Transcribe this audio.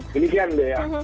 demikian deh ya